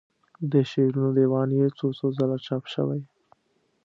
د شعرونو دیوان یې څو څو ځله چاپ شوی.